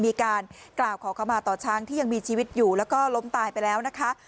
มีการกล่าวขอเข้ามาต่อช้างที่ยังมีชีวิตอยู่แล้วก็ล้มตายไปแล้วนะคะ